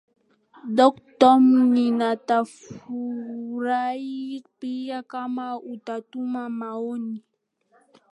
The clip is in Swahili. dotcom nitafurahi pia kama utatuma maoni